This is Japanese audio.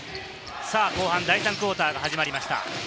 後半、第３クオーターが始まりました。